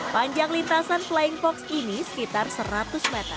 panjang lintasan flying fox ini sekitar seratus meter